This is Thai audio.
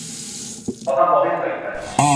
เขาทำโบว์ให้เธออีกอัน